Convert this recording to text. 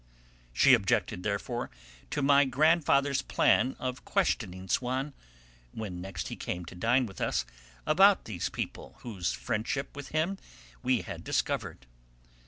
She objected, therefore, to my grandfather's plan of questioning Swann, when next he came to dine with us, about these people whose friendship with him we had discovered.